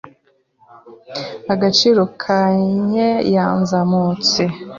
Agaciro ka yen yazamutse .